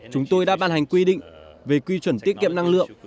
chúng tôi đã ban hành quy định về quy chuẩn tiết kiệm năng lượng